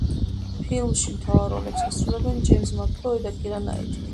ფილმში მთავარ როლებს ასრულებენ ჯეიმზ მაკევოი და კირა ნაიტლი.